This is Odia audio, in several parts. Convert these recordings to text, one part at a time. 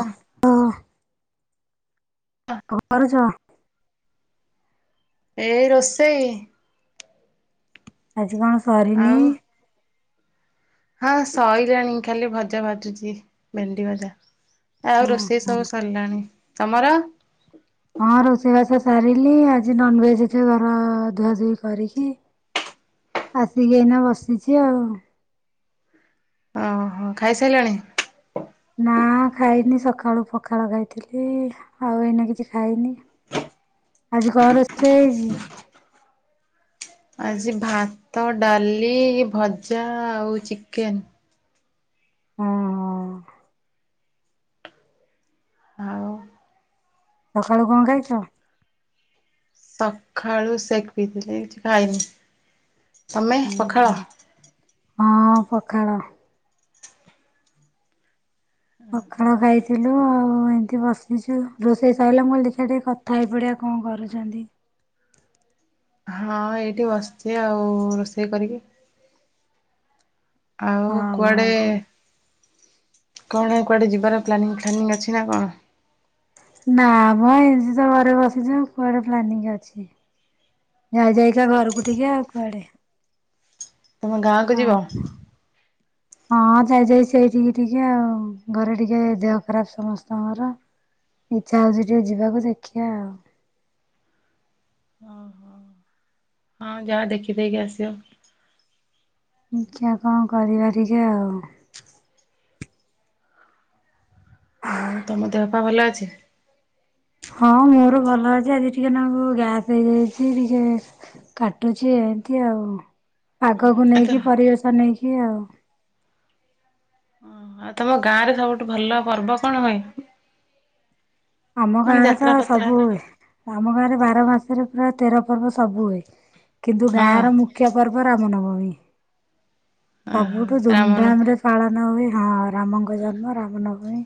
ହଁ। ଅଁ। କଣ କରୁଛ? ଏଇ ରୋଷେଇ। ଆଜି କଣ ସରିନି। ଆଉ ହଁ ସଇଲାଣି ଖାଲି ଭଜା ଭାଜୁଛି ଭେଣ୍ଡି ଭଜା। ଆଉ ହୁଁ ରୋଷେଇ ହୁଁ। ସବୁ ସରିଲାଣି। ତମର? ହଁ ରୋଷେଇ ବାସ ସାରିଲି। ଆଜି ନନଭେଜ ଅ ଘର ଧୁଆଧଇ କରିକି ଆସିକି ଏଇନା ବସିଚି ଆଉ। ଅ ଅଁ ହ ଖାଇସାଇଲଣି? ନା ଖାଇନି ସଖାଳୁ ପଖାଳ ଖାଇଥିଲି ଆଉ ଏଇନା କିଛି ଖାଇନି। ଆଜି କଁ ରୋଷେ ଏଇଚି? ଆଜି ଭାତ, ଡାଲି, ଭଜା ଆଉ ଚିକେନ୍। ଅଁ ହଁ। ଆଓ। [unintelligible] ଖାଳୁ କଁ ଖାଇଚ? ସଖାଳୁ ସେକ୍ ପିଥିଲେ କିଛି ଖାଇନି ତମେ ପଖାଳ? ହୁଁ ହଁ ପଖାଳ। ପଖାଳ ଖାଇ [unintelligible] ଥିଲୁ ଆଉ ଏମିତି ବସିଚୁ ରୋଷେଇ ସାରିଲା ମୁଁ [unintelligible] ଲି ଦେଖିଆ ଟିକେ କଥା ହେଇପଡ଼ିବା କଁ କରୁଚନ୍ତି। ହଁ ଏଇଠି ବସିଚି ଆଉ ରୋଷେଇ କରିକି। ଆଉ ହଁ ହଁ କୁଆଡେ କୁଆଡେ କୁଆଡେ ଯିବାର ପ୍ଲାନିଂ ଫ୍ଲାନିଂ ଅଛି ନା କଣ? ନା ମ ଏ [unintelligible] ଘରେ ବସିଚି କୁଆଡେ ପ୍ଲାନିଂ ଅଛି। ଯାଇ ଯାଇକା ଘରକୁ ଟିକେ ଆଉ କୁଆଡେ। ତମ ଗାଁକୁ ହଁ। ଯିବ? ହଁ ଯାଇ ଯାଇ ସେଇଠିକି ଟିକେ ଆଉ ଘରେ ଟିକେ ଦେହ ଖରାପ ସମସ୍ତଙ୍କର। ଇଚ୍ଛା ହଉଚି ଟିକେ ଯିବାକୁ ଦେଖିଆ ଆଉ। [unintelligible] ହଁ ହଁ ଯା ଦେଖି ଦେଇକି ଆସିବ। [unintelligible] ଚା କଁ କରିବା ଟିକେ ଆଉ। ଆଉ ତମ ଦେହ ପା ଭଲ ଅଛି? ହଁ ମୋର ଭଲ ଅଛି ଆଜି ଟିକେ ନାଗୁ ଗ୍ୟାସ ହେଇଯାଇଚି ଟିକେ। କାଟୁଚି ଏମିତି ଆଉ ପାଗକୁ ଆତ ନେଇକି ପରିବେଶ ନେଇକି ଆଉ। ଆ ତମ ଗାଁ ରେ ସବୁଠୁ ଭଲ ପର୍ବ କଣ ହୁଏଁ? ଆମ ଗାଁ ରେ ତ ଯାତ୍ରା ଫାତ୍ରା ସବୁ ଉଏ। ଆମ ଗାଁରେ ବାର ମାସରେ ପୁରା ତେର ପର୍ବ ସବୁ ହୁଏ କିନ୍ତୁ ହଁ ଗାଁର ମୁ ଖ୍ୟ ପର୍ବ ରାମନବମୀ ଓହୋ ସବୁଠୁ ଧୁମ୍ ରାମର ଧାମ୍ ରେ ପାଳନ ହୁଏ ହଁ ରାମଙ୍କ ଜନ୍ମ ରାମନବମୀ।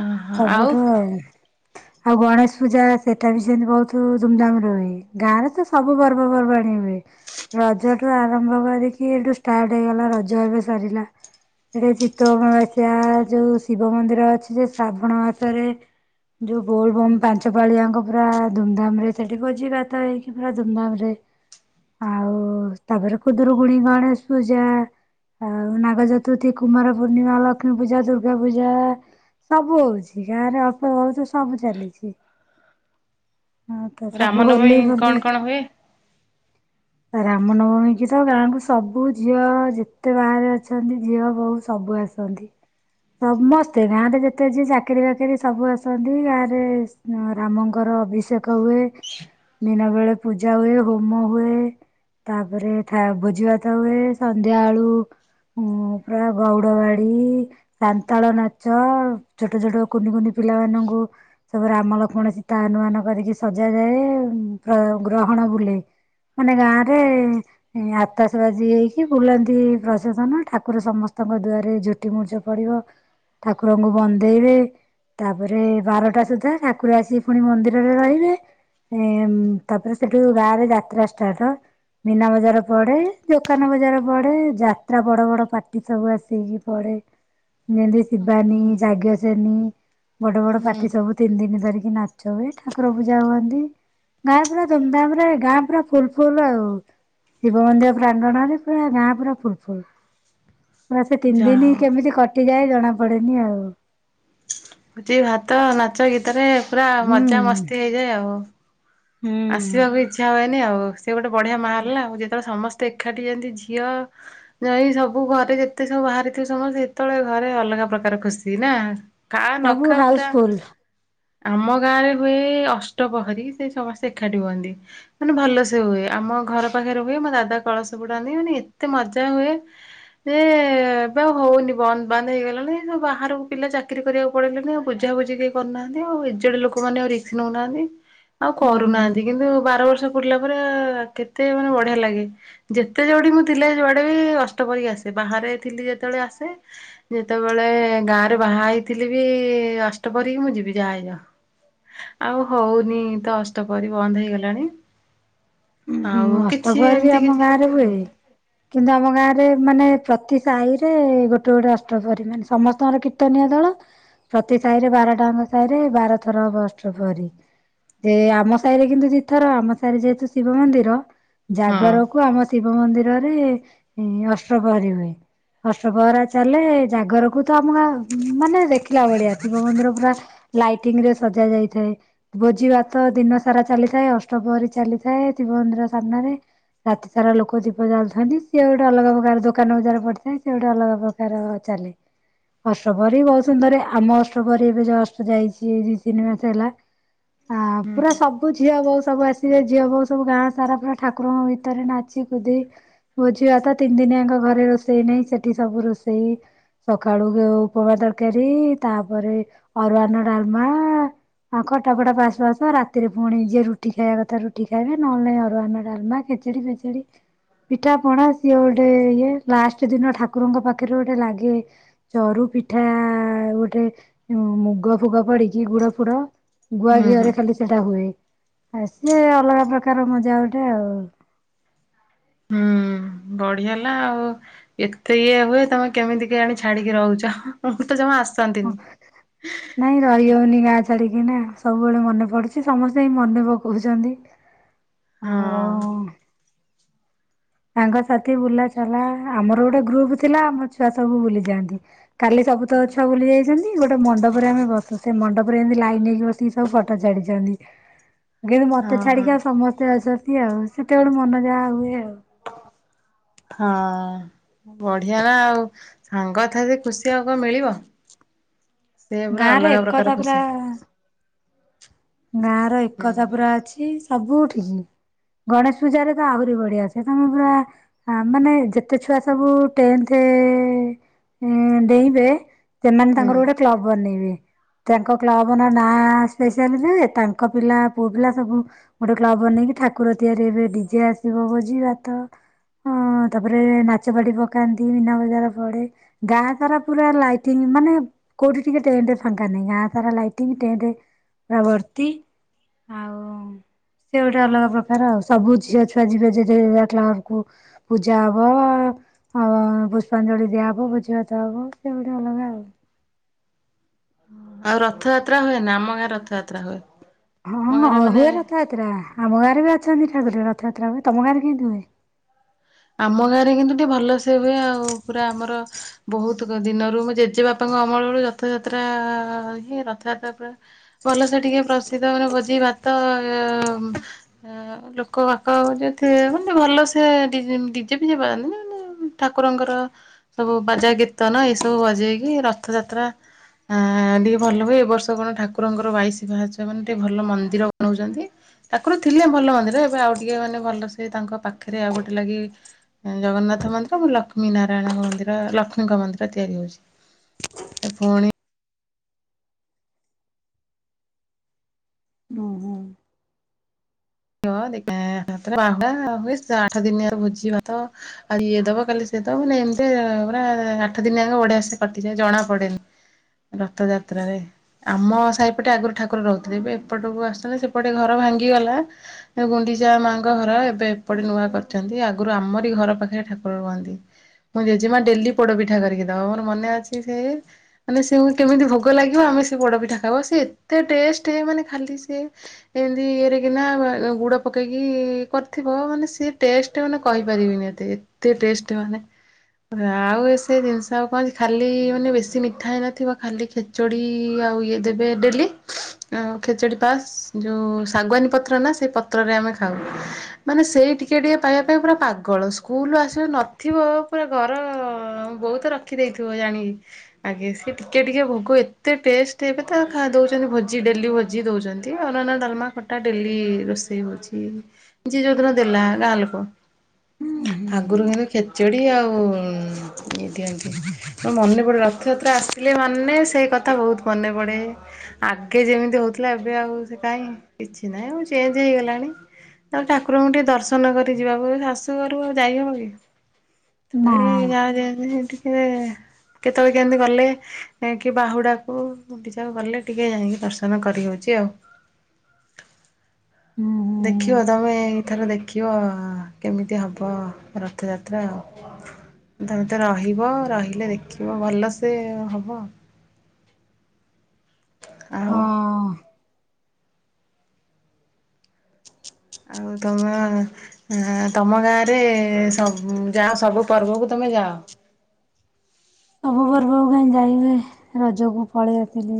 ଓହୋ ଆଉ ସବୁଠୁ ଆଉ। ଆଉ ଗଣେଶ ପୂଜା ସେଟା ବି ସେମିତି ବହୁତୁ ଧୁମ୍ ଧାମ୍ ରେ ଉଏ ଗାଁରେ ତ ସ ସବୁ ପର୍ବପର୍ବାଣି ଉଏ। ରଜ ଠୁ ଆରମ୍ଭ କରିକି ଏଠୁ ଷ୍ଟାଟେ ହେଇଗଲା ରଜ ଏବେ ସରିଲା। ଏ [unintelligible] ଚିତଉ ଅମାବାସ୍ୟା ଯୋଉ ଶିବ ମନ୍ଦିର ଅଛି ଯେ ଶ୍ରାବଣ ମାସରେ ଯୋଉ ବୋଲ ବମ୍ ପାଞ୍ଚ ପାଳି ଜାଙ୍କ ପୁରା ଧୁମ୍ ଧାମ୍ ରେ ସେଠିି ଭୋଜି ଭାତ ଏଇକି [unintelligible] ପୁରା ଧୁମ୍ ଧାମ୍ ରେ ଆଉ ତାପରେ ଖୁଦୁରୁକୁଣୀ, ଗଣେଶ ପୂଜା। ଆଉ ନାଗଚତୁର୍ଥୀ, କୁମାର ପୂର୍ଣ୍ଣିମା, ଲକ୍ଷ୍ମୀ ପୂଜା, ଦୁର୍ଗା ପୂଜା। ସବୁ ଓଉଚି ଗାଁ ରେ ଅଳ୍ପ ଭୋଉତୁ ସବୁ ଚାଲିଚି। ରାମନବମୀ ହୋଲି ଫୋଲି କଣ କଣ ହୁଏ? ରାମନବମୀ କି ତ ଗାଁକୁ ସବୁ ଝିଅ ଯେତେ ବାହାରେ ଅଛନ୍ତି ଝିଅ, ବୋହୂ ସବୁ ଆସ ଅନ୍ତି ସମସ୍ତେ ଗାଁରେ ଯେ ଯେତେ ଯିଏ ଚାକିରି ବାକିରି ସବୁ ଆସନ୍ତି ଗାଁ ରେ ରାମଙ୍କର ଅଭିଷେକ ହୁଏ। ଦିନ ବେଳେ ପୂଜା ହୁଏ, ହୋମ ହୁଏ। ତାପରେ ଥା ଭୋଜି ଭାତ ହୁଏ ସନ୍ଧ୍ୟା ଆଳୁ। ଉଁ ପୁରା ଗଉଡ ବାଡି, ସାନ୍ତାଳ ନାଚ। ଛୋଟ ଛୋଟ କୁନି କୁନି ପିଲାମାନଙ୍କୁ ସବୁ ରାମ, ଲକ୍ଷ୍ମଣ, ସୀତା, ଆନୁମାନ କରିକି ସଜାଯାଏ ପ୍ର ଗ୍ରହଣ ବୁଲେ। ମାନେ ଗାଁ ରେ ଆତାଶ ବାଜୀ ଏଇକି ବୁଲାନ୍ତି ପ୍ରଶାସନ ଠାକୁର ସମସ୍ତଙ୍କ ଦୁଆରେ ଯୋ ଟି ମୁର୍ଜ ପଡିବ ଠାକୁରଙ୍କୁ ବନ୍ ଗାଦେଇବେ ତାପରେ ବାରଟା ସୁଦ୍ଧା ଠାକୁର ଆସି ଫୁଣି ମନ୍ଦିରରେ ରହିବେ। ଏଁ ତାପରେ ସେଠୁ ଗାଁ ରେ ଯାତ୍ରା ଷ୍ଟାଟ। ମୀନା ବଜାର ପଢେ ଦୋକାନ ବଜାର ପଢେ ଯାତ୍ରା ବଡ ବଡ ପାର୍ଟି ସବୁ ଆସିକି ପଡେ ଯେମତି ଶିବାନୀ ଯଜ୍ଞସେନୀ ବଡ ବଡ ହୁଁ ପାଟି ସବୁ ତିନ ଦିନ ଧରିକି ନାଚ ହୁଏ ଠାକୁର ପୂଜା ହୁଅନ୍ତି। ନାଇଁ ପୁରା ଧୁମଧାମ ରେ ଗାଁ ପୁରା ଫୁଲ ଫୁଲ ଆଉ। ଶିବ ମନ୍ଦିର ପ୍ରାଙ୍ଗଣ ରେ ପୁରା ଗାଁ ପୁରା ଫୁଲଫୁଲ। ପୁରା ସେ ଯା ତିନଦିନି ହଉ କେମିତି କଟିଯାଏ ଜଣା ପଡେନି ଆଉ। ହଉଛି ଭାତ ନାଚ ଗୀତରେ ପୁରା ମଜା ହୁଁ ମସ୍ତି ହେଇଯାଏ ଆଉ। ହୁଁ ଆସିବାକୁ ଇଚ୍ଛା ହୁଏନି ଆଉ ସେ ଗୋଟେ ବଢିଆ ମା ହେଲା ଆଉ ଯେତେବେଳେ ସମସ୍ତେ ଏକାଠି ଯାଆନ୍ତି ଝିଅ ନାଇ ସବୁ ଘରେ ଯେତେ ସବୁ ବାହାରିଥି ସମସ୍ତେ ସେତେବେଳେ ଘରେ ଅଲଗା ପ୍ରକାର ଖୁସି ନା। କା ସବୁ ନଖା ପୁରା ହାଉସଫୁଲ ଆମ ଗାଁ ରେ ହୁଏ ଅଷ୍ଟପହରି ସେ ସମସ୍ ଏକାଠି ହୁଅନ୍ତି। ମାନେ ଭଲସେ ହୁଏ ଆମ ଘର ପାଖରେ ହୁଏ ମୋ ଦାଦା କଳସ ବୁଡାନ୍ତି ମାନେ ଏତେ ମଜା ହୁଏ। ସେ ଏବେ ଆଉ ହଉନି ବନ୍ଦ ବାନ୍ଦ ହେଇଗଲାଣି ବାହାରକୁ ପିଲା ଚାକିରି କରିବାକୁ ପଲେଇ ଚନ୍ତି ଆଉ ବୁଝାବୁଝି କେହି କରିୁନାହାନ୍ତି ଆଉ ଏଜଡେ ଲୋକମାନେ ଆଉ ରିକ୍ସ ନୋଉନାହାନ୍ତି। ହୁଁ କରୁନାହାନ୍ତି କିନ୍ତୁ ବାର ବର୍ଷ ପୁଡଲା ପରେ କେତେ ମାନେ ବଢିଆ ଲାଗେ। ଯେତେ ଯୋଠି ମୁଁ ଥିଲେ ଯୁଆଡେ ବି ଅଷ୍ଟପ୍ରହରୀ ଆସେ ବାହାରେ ଥିଲି ଯେତେବେଳେ ଆସେ ଯେତେବେଳେ ଗାଁରେ ବାହା ହେଇଥିଲି ବି ଅଷ୍ଟପ୍ରହରୀ ମୁଁ ଯିବି ଯାହା ହେଇଯାଉ। ଆଉ ହଉନି ତ ଅଷ୍ଟପ୍ରହରୀ ବନ୍ଦ ହେଇଗଲାଣି। ଆଉ କିଛି ଅଷ୍ଟପ୍ରହରୀ ବି ଏମିତି ଆମ କିଛି ଗାଁ ରେ ଏତେ ହୁଏ। ଆଉ। କିନ୍ତୁ ଆମ ଗାଁ ରେ ମାନେ ପ୍ରତି ସାହି ରେ ଗୋଟେ ଗୋଟେ ଅଷ୍ଟପରି ମାନେ ସମସ୍ତଙ୍କର କୀର୍ତନୀୟ ଦଳ। ପ୍ରତି ସାହି ରେ ବାରଟାଙ୍କ ସାହିରେ ବାର ଥର ହବ ଅଷ୍ଟପ୍ରହରୀ। ଯେ ଆମ ସାହିରେ କିନ୍ତୁ ଦିଥର ଆମ ସାହିରେ ଯେହେତୁ ଶିବ ମନ୍ଦିର ହଁ ଜାଗରକୁ ଆମ ଶିବ ମନ୍ଦିରରେ ଅଷ୍ଟପ୍ରହରୀ ହୁଏ ଅଷ୍ଟପ୍ରହରା ଚାଲେ ଜାଗରକୁ ତ ଆମ ଗାଁ ମାନେ ଦେଖିଲା ଭଳିଆ ଶିବ ମନ୍ଦିର ପୁରା ଲାଇ ଟିଂରେ ସଜା ଯାଇଥାଏ ଭୋଜି ଭାତ ଦିନ ସାରା ଚାଲିଥାଏ ଅଷ୍ଟପହରୀ ଚାଲି ଏଇ ଶିବମନ୍ଦିର ସାମ୍ନାରେ। ରାତି ସାରା ଲୋକ ଦୀପ ଜାଳୁଥାନ୍ତି ସେଏ ଗୋଟେ ଅଲଗ ପ୍ରକାର ଦୋକାନ ବଜାର ପଡିଥାଏ ସେ ଗୋଟେ ଅଲଗ ପ୍ର ତାର ଚାଲେ। ଅଷ୍ଟପ୍ରହରୀ ବହୁତ ସୁନ୍ଦରେ ଆମ ଅଷ୍ଟପ୍ରହରୀ ଏବେ ଜଷ୍ଟ ଯାଇଛି ଏ ଦି ତିନି ମାସ ହେଲା। ଆଁ ପୁରା ସବୁ ଝିଅ ବୋଉ ସବୁ ଆସିିଯା ଝିଅ ବୋଉ ସବୁ ଗାଁ ସାରା ପୁରା ଠାକୁରଙ୍କ ଭିତରେ ନାଚି କୁଦି। ବୋଝିଭାତ ତିନ ଦିନଆଙ୍କ ଘରେ ରୋଷେଇ ନାଇଁ ସେଠି ସବୁ ରୋଷେଇ। ସକାଳୁ ଉପବା ତରକାରୀ ତାପରେ ଅରୁଆନ ଡାଲମା। ଆଉ ଖଟା ଫଟା ପାସ ଫାସ ରାତିରେ ପୁଣି ଯିଏ ରୁଟି ଖାଇବା କଥା ରୁ ଟି ଖାଇବେ ନହେଲେ ନାଇ ଅରୁଆନ ଡାଲମା ଖେଚେଡି ଫେଚେଡି। ପିଠା ପଣା ସିଏ ଗୋଟେ ଇଏ ଲାଷ୍ଟ ଦିନ ଠାକୁରଙ୍କ ପାଖରେ ଗୋଟେ ଲାଗେ ଚରୁ ପିଠା ଗୋଟେ ମୁଗ ଫୁଗ ପଡିକି ଗୁଡ ଫୁଡ ଗୁଆ ହୁଁ ହୁଁ। ଘିଅରେ ଖାଲି ସେଟା ହୁଏ ଆ ସିଏ ଅଲଗା ପ୍ରକାର ମଜା ଗୋଟେ ଆଉ। ହୁଁ ବଢିଆ ହେଲା ଆଉ। ଏତେ ଇଏ ହୁଏ ତମେ କେମିତି କେଜାଣି ଛାଡିକି ରହୁଛ ମୁଁ ତ ଜମା ଆସି ନ୍ତିନ। ନାଇଁ ରହିହଉନି ଗାଁ ଛାଡ଼ିକିନା ସବୁବେଳେ ମନେ ପଡ଼ୁଛି ସମସ୍ତେ ହି ମନେ ପକୋଉଛନ୍ତି। ହଁ। ସାଙ୍ଗ ସାଥି ବୁଲାଚଲା ଆମର ଗୋଟେ ଗ୍ରୁପ ଥିଲା ଆମ ଛୁଆ ସବୁ ବୁଲି ଯାଆନ୍ତି। କାଲି ସବୁ ତ ଛୁଆ ବୁଲି ଯାଇଛନ୍ତି ଗୋଟେ ମଣ୍ଡପରେ ଆମେ ବସୁ ସେ ମଣ୍ଡପରେ ଏମିତି ଲାଇନ ହେଇକି ବସ ସବୁ ଫଟୋ ଛାଡିଛନ୍ତି କିନ୍ତୁ ମତେ ହଁ ହଁ ଛାଡିକି ଆଉ ସମସ୍ତେ ଅଛନ୍ତି ଆଉ। ସେତେବେଳେ ମନ ଯାହା ହୁଏ ଆଉ। ହଁ ବଢିଆ ନା ଆଉ ସାଙ୍ଗ ଠାରୁ ଖୁସି ଆଉ କଣ ମିଳିବ? ସେ ଗାଁ ପୁରା ର ଅଲଗା ଏକତା ପ୍ରକାର ପୁରା ଖୁସି। ଗାଁ ର ହୁଁ ଏକତା ପୁରା ଅଛି ସବୁ ଠିକ୍। ଗଣେଶ ପୂଜାରେ ତ ଆହୁରି ବଢିଆ ହୋଉଛି ସେ ତାଙ୍କେ ପୁରା ଆ ମାନେ ଯେତେ ଛୁଆ ସବୁ ଟେନ୍ଥେ ଏଁନ ଡେଇଁବେ ସେମାନେ ହୁଁ ତାଙ୍କର ଗୋଟେ କ୍ଲବ ବନେଇବେ ତାଙ୍କ କ୍ଲବର ନାଁ ସେଇ ସେନ୍ ହିଁ ତାଙ୍କ ପିଲା ପୁଅ ପିଲା ସବୁ ଗୋଟେ କ୍ଲବ ବନେଇକି ଠାକୁର ତିଆରି ଏବେ ଡିଜେ ଆସିବ ଭୋଜି ଭାତ ହଁ ତାପରେ ନାଚପାଟି ପକାନ୍ତି ମିନା ବଜାର ପଡ଼େ। ଗାଁ ସାରା ପୁରା ଲାଇଟିଂ ମାନେ କଉଁଠି ଟିକେ ଟେଣ୍ଡ ଫାଙ୍କା ନାହିଁ ଆତାରେ ଲାଇଟିଂ ଟେଣ୍ଡ ପୂରାବର୍ତ୍ତୀ ଆଉ ସେ ଗୋଟେ ଅଲଗା ପ୍ରକାର ଆଉ ସବୁ ଝିଅ ଛୁଆ ଯିବେ [unintelligible] କ୍ଳବକୁ। ପୂଜା ହବ ଆ ହଁ ପୁଷ୍ପାଞ୍ଜଳି ଦିଆହବ ଭୋଜି ଭାତ ହବ ସେ ଗୁଟେ ଅଲଗା ଆଉ। ଆଉ ରଥଯାତ୍ରା ହୁଏ ନା ଆମ ଗାଁରେ ରଥଯାତ୍ରା ହୁଏ। ହଁ ହଁ ଆମ ଗାଁରେ ହଁ ହୁଏ ମାନେ ରଥଯାତ୍ରା ଆମ ଗାଁରେ ବି ଅଛନ୍ତି ଠାକୁର ରଥଯାତ୍ରା ହୁଏ ତମ ଗାଁରେ କେମତି ହୁଏ? ଆମ ଗାଁରେ କିନ୍ତୁ ଟିକେ ଭଲସେ ହୁଏ ଆଉ ପୁରା ଆମର ବହୁତୁକ ଦିନରୁ ମୋ ଜେଜେ ବାପାଙ୍କ ଅମଳରଳୁ ରଥଯାତ୍ରା ହିଁ ରଥଯାତ୍ରା ପୁରା ଭଲସ ଟିକେ ପ୍ରସିଦ୍ଧ ମାନେ ଭୋଜି ଭାତ ଆ ଆ ଲୋକ ବାକ ଯିଏ ଥିବେ ମାନେ ଭଲ ସେ ଦେ ଯେମନ୍ତି ଡିଜେ ଫିଜେ ବଜାନ୍ତିନି ମାନେ ଠାକୁରଙ୍କର ସବୁ ବାଜା କୀର୍ତ୍ତନ ଏଇ ସବୁ ବଜେଇକି ରଥଯାତ୍ରା ହଁ ଟିକେ ଭଲ ହୁଏ ଏ ବର୍ଷ କଣ ଠାକୁରଙ୍କର ବାଇଶ ବାହାଚ ମାନେ ଟିକେ ଭଲ ମନ୍ଦିର ବନଉଚନ୍ତି। ଠାକୁର ଥିଲେ ଭଲ ମନ୍ଦିର ଏବେ ଆଉ ଟିକେ ମାନେ ଭଲ ସେ ତାଙ୍କ ପାଖରେ ଆଉ ଗୋଟେ ଲାଗି ଆଁ ଜଗନ୍ନାଥ ମନ୍ଦିର ପୁଣି ଲକ୍ଷ୍ମୀ ନାରାୟଣଙ୍କ ମନ୍ଦିର ଲକ୍ଷ୍ମୀଙ୍କ ମନ୍ଦିର ତିଆରି ହଉଛି। ଏ ଫୁଣି ଓହୋ। [unintelligible] ବାହୁଡା଼ ହୁଏ ଆଠ ଦିନି ଆମର ଭୋଜିି ଭାତ ଆଜି ଇଏ ଦବ କାଲି ସିଏ ଦବ ନାଇ ଏମିତି ପୁରା ଆଠ ଦିନ ଯାକ ବଢ଼ିଆସେ କଟିଯାଏ ଜଣା ପଡେନି। ରଥଯାତ୍ରାରେ ଆମ ସାହିପଟେ ଆଗୁରୁ ଠାକୁର ରହୁଥିଲେ। ଏ ଏପଟକୁ ଆସୁଛନ୍ତି ସେପଟେ ଘର ଭାଙ୍ଗିଗଲା। ଏପଟେ ଗୁଣ୍ଡିଚା ମାଙ୍କ ଘର ଏବେ ଏପଟେ ନୂଆ କରିଚନ୍ତି। ଆଗୁରୁ ଆମରି ଘର ପାଖରେ ଠାକୁର ରୁହନ୍ତି। ମୋ ଜେଜେମା ଡେଲି ପୋଡପିଠା କରିକି ଦବ। ମୋର ମନେ ଅଛି ସେ ମାନେ ସେ ଗୋ କେମିତି ଭୋଗ ଲାଗିବ ଆମେ ସେ ପୋଡପିଠା ଖାଇବୁ। ସେ ଏତେ ଟେଷ୍ଟ ମାନେ ଖାଲି ସେ ସେନ୍ତି ଇଏରେ କିନା ଏ ଗୁଡ଼ ପକେଇକି କରିଥିବ ମାନେ ସିଏ ଟେଷ୍ଟ ମାନେ କହିପାରିବିନି ଏତେ। ଏତେ ଟେଷ୍ଟ ମାନେ ଆଉ ଏ ସେ ଜିନିଷ ଆଉ କଣ ଅଛି ଖାଲି ମାନେ ବେଶୀ ମିଠା ହେଇ ନଥିବ ଖାଲି ଖେଚଡ଼ି ଆଉ ଇଏ ଦେବେ ଡେଲି। ଆଉ ଖେଚୁଡ଼ି ପାସ୍ ଯଉଁ ଶାଗୁଆନୀ ପତ୍ର ନା ସେ ପତ୍ରରେ ଆମେ ଖାଉ। ମାନେ ସେଇ ଟିକେ ଟିକେ ପାଇବା ପାଇଁ ପୁରା ପାଗଳ ସ୍କୁଲୁରୁ ଆସିବ ନଥିବ ପୁରା ଘର ବହୁତ ରଖିଦେଇଥିବ ଜାଣିିକି। ଆଜ୍ଞା ସିଏ ଟିକେ ଟିକେ ଭୋଗ ଏତେ ଟେଷ୍ଟ ଏବେ ତା ଖା ଦଉଚନ୍ତି ଭୋଜି ଡେଲି ଭୋଜି ଦଉଚନ୍ତି। ଏ ଅରୁଆନ୍ନ ଡଲମା ଖଟା ଡେଲି ରୋଷେଇ ହଉଛି ଯିଏ ଯୋଉଦିନ ଦେଲା ଗାଁ ଲୋକ। ହୁଁ ଆଗୁରୁ କିନ୍ତୁ ଖେଚେଡି ଆଉ ଉଁ ଇ ଦିଅନ୍ତି ମନେ ପଡ଼େ ରଥଯାତ୍ରା ଆସିଲେ ମାନେ ସେଇ କଥା ବହୁତ ମନେ ପଡ଼େ। ଆଗେ ଯେମିତି ହଉଥିଲା ଏବେ ଆଉ ସେ କାହିଁ କିଛି ନାହିଁ ଆଉ ଚେଞ୍ଜ ହେଇଗଲାଣି। ତାଉ ଠାକୁରଙ୍କୁ ଟିକେ ଦର୍ଶନ କରି ଯିବାକୁ ଶାଶୁଘରୁ ଆଉ ଯାଇହବ କି। ନା ଏଇ ଯାହା ନେମିତି ସେ ଟିକେ କେତେବେଳେ କେମତି ଗଲେ ଯାଇଁକି ବାହୁଡାକୁ ଗୁଣ୍ଡିଚାକୁ ଗଲେ ଟିକେ ଯାଇକି ଦର୍ଶନ କରି ହଉଛି ଆଉ। ହୁଁ। ଦେଖିବ ହୁଁ ତମେ ଏଇଥର ଦେଖିବ କେମିତି ହବ ରଥଯାତ୍ରା ଆଉ। ତମେ ତ ରହିବ ରହିଲେ ଦେଖିବ ଭଲ ସେେ ହବ। ଆଉ ହଁ। ଆଉ ତମେ ହ ତମ ଗାଁରେ ସବୁ ଯାଅ ସବୁ ପର୍ବକୁ ତମେ ଯାଅ। ସବୁ ପର୍ବକୁ କାଇଁ ଯାଇହୁଏ ରଜକୁ ପଳେଇ ଆଇଥିଲି।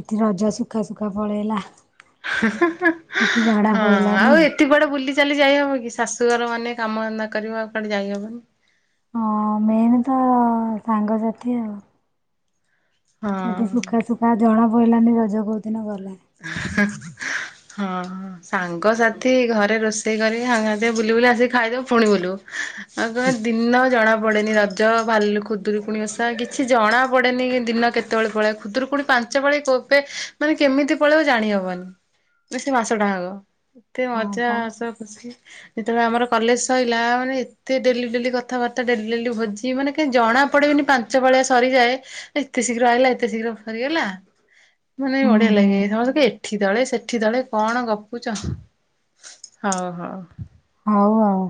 ଏଠି ରଜ ଶୁଖା ଶୁଖା ପଳେଇଲା। ହଁ କିଛି ଝଡା ପଇଲାନି। ଆଉ ଏ ଏଠି କୁଆଡେ ବୁଲି ଚାଲି ଯାଇହବ କି ଶାଶୁଘର ମାନେ କାମ ଧନ୍ଦା କରିବ କୁଆଡେ ଯାଇହବନି। ହଁ ମେନ୍ ତ ସାଙ୍ଗସାଥି ଆଉ। ସେଠି ହଁ। ସୁଖା ସୁୁଖା ଜଣା ପଡିଲାନି ରଜ କଉଦିନ ଗଲା। ହଁ। ସାଙ୍ଗସାଥି ଘରେ ରୋଷେଇ କରି ସାଙ୍ଗେ ସାଥୀ ବୁଲି ବୁଲି ଆସିକି ଖାଇଦବୁ ପୁଣି ବୁଲୁ। ଆଉ କଣ ଦିନ ଜଣା ପଡେନି ରଜ ଭାଲୁ ଖୁଦୁରୁକୁୁଣି ଓସା କିଛି ଜଣା ପଡେନି ଦିନ କେତେବେଳେ ପଳଅ ଖୁଦୁରୁକୁୁଣି ପାଞ୍ଚ ଞ୍ଚପାଳି କବେ ମାନେ କେମିତି ପଳେଇବ ଜାଣି ହବନି ବେ ସେ ମାସଟାଙ୍କ କେତେ ହଁ ମଜା ପା। ହସ ଖୁସି। ଯେତେବେଳେ ଆମର କଲେଜ ସଇଲ ମାନେ ଏତେ ଡେଲି ଡେଲି କଥାବାର୍ତ୍ତା ଡେଲି ଡେଲି ଭୋଜି ମାନେ କି ଜଣା ପଡେନି ପାନ୍ ଞ୍ଚ ପାଳିଆ ସରିଯାଏ ଏତେ ଶୀଘ୍ର ଆଇଲା ଏତେ ଶୀଘ୍ର ସରିଗଲା ମାନେ ହୁଁ ବଢିଆ ହୁଁ ଲାଗେ। ସମସ୍ତେ କହିବେ ଏଠି ଦଳେ ସେଠି ଦଳେ କଣ ଗପୁଛ ହଉ ହଉ। ହଉ ହଉ।